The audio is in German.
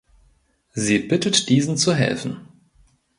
Sie bittet diesen zu helfen.